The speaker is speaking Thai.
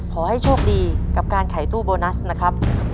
ขอให้โชคดีกับการขายตู้โบนัสนะครับ